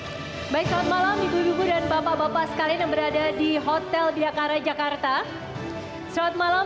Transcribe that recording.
hai baik baik malam ibu dan bapak bapak sekalian berada di hotel biakara jakarta selamat malam